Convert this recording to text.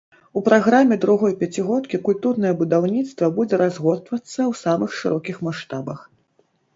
У праграме другой пяцігодкі культурнае будаўніцтва будзе разгортвацца ў самых шырокіх маштабах.